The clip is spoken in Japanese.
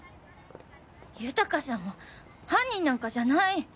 豊さんは犯人なんかじゃない。